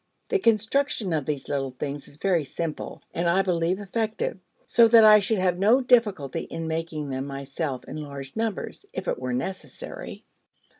The construction of these little things is very simple, and, I believe, effective, so that I should have no difficulty in making them myself in large numbers, if it were necessary.